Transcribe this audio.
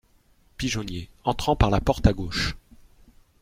Pigeonnier entrant par la porte à gauche.